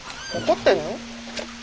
怒ってんの？